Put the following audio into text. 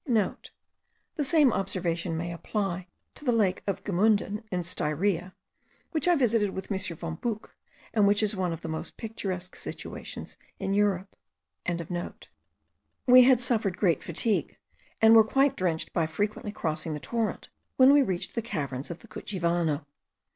(* The same observation may apply to the lake of Gemunden in Styria, which I visited with M. von Buch, and which is one of the most picturesque situations in Europe.) We had suffered great fatigue, and were quite drenched by frequently crossing the torrent, when we reached the caverns of the Cuchivano.